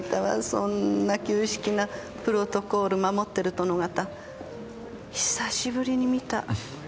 そんな旧式なプロトコール守ってる殿方久しぶりに見た。